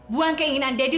buang keinginan daddy